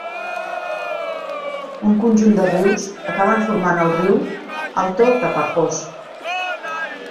Un conjunt de rius acaben formant el riu Alto Tapajós.